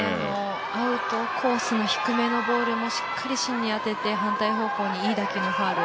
アウトコースの低めのボールもしっかり芯に当てて、反対方向にいい打球のファウル。